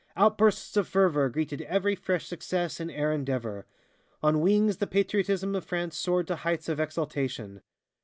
Outbursts of fervor greeted every fresh success in air endeavor. On wings the patriotism of France soared to heights of exaltation.